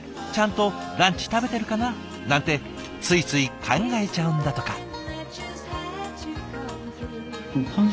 「ちゃんとランチ食べてるかな？」なんてついつい考えちゃうんだとか。